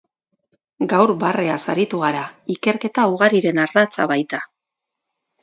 Gaur, barreaz aritu gara, ikerketa ugariren ardatza baita.